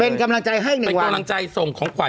เป็นกำลังใจให้หน่อยเป็นกำลังใจส่งของขวัญ